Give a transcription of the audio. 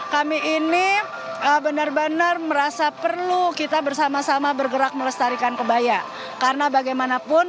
kami ini benar benar merasa perlu kita bersama sama bergerak melestarikan kebaya karena bagaimanapun